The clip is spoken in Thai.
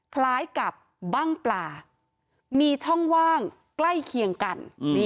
คล้ายกับบ้างปลามีช่องว่างใกล้เคียงกัน